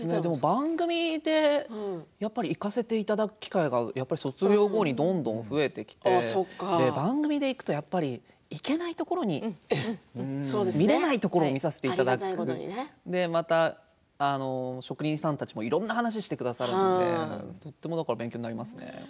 番組で行かせていただく機会が卒業後にどんどん増えてきて番組で行くとやっぱり行けないところに見れないところを見させていただく、また職人さんたちもいろんな話をしてくださるのでとても勉強になりますね。